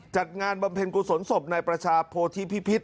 งานบำเพ็ญกุศลศพนายประชาโพธิพิพิษ